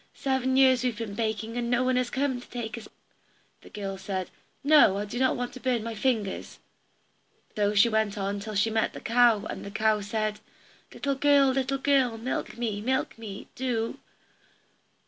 Seven years have we been baking, and no one has come to take us out," the girl said, "No, I don't want to burn my fingers." So she went on till she met the cow, and the cow said, "Little girl, little girl, milk me, milk me, do.